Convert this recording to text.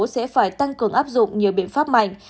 sẽ phải tăng cường áp dụng nhiều biện pháp mạnh